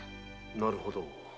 なるほど。